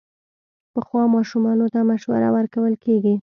پخو ماشومانو ته مشوره ورکول کېږي